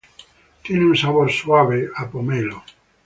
Tiene un sabor suave a pomelo.